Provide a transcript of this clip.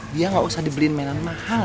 dia gak usah dibeliin mainan mahal